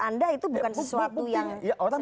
anda itu bukan sesuatu yang ya orang